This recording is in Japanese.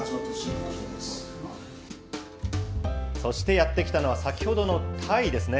そしてやって来たのは、先ほどのたいですね。